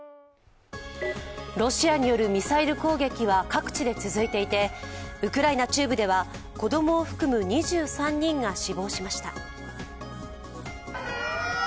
ロシアによるミサイル攻撃は各地で続いていてウクライナ中部では子供を含む２３人が死亡しました。